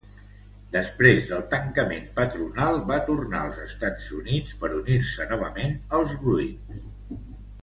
Després del tancament patronal, va tornar als Estats Units per unir-se novament als Bruins.